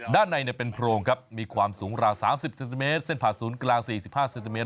ด้านในเป็นโพรงครับมีความสูงราว๓๐เซนติเมตรเส้นผ่าศูนย์กลาง๔๕เซนติเมต